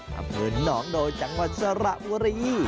ทำคืนน้องโดนจังหวัดสระวรี